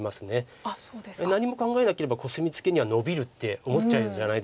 何も考えなければコスミツケにはノビるって思っちゃうじゃないですか。